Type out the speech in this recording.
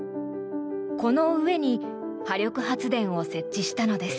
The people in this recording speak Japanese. この上に波力発電を設置したのです。